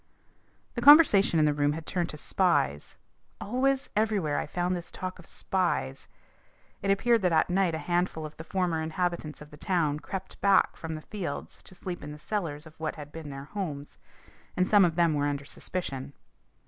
The conversation in the room had turned to spies. Always, everywhere, I found this talk of spies. It appeared that at night a handful of the former inhabitants of the town crept back from the fields to sleep in the cellars of what had been their homes, and some of them were under suspicion.